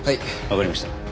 わかりました。